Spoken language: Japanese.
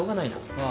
ああ。